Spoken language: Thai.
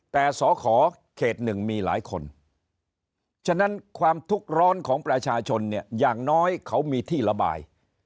แต่สอขอเขตหนึ่งมีหลายคนฉะนั้นความทุกข์ร้อนของประชาชนเนี่ยอย่างน้อยเขามีที่ระบาย